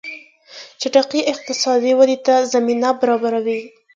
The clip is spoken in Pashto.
چټکې اقتصادي ودې ته زمینه برابره شوه.